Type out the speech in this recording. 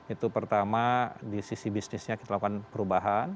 itu pertama di sisi bisnisnya kita lakukan perubahan